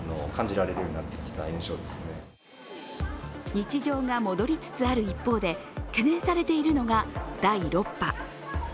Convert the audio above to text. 日常が戻りつつある一方で懸念されているのが第６波。